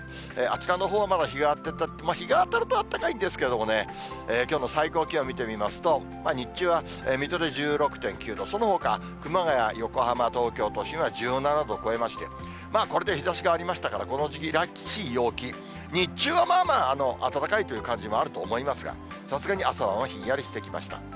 あちらのほう、まだ日が当たって、日が当たるとまだあったかいんですけれどもね、きょうの最高気温見てみますと、にっちゅうは水戸で１６．９度、そのほか熊谷、横浜、東京都心は１７度超えまして、これで日ざしがありましたから、この時期らしい陽気、日中はまあまあ暖かいという感じもあると思いますが、さすがに朝はひんやりしてきました。